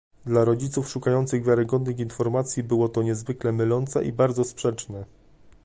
Dla rodziców szukających wiarygodnych informacji było to niezwykle mylące i bardzo sprzeczne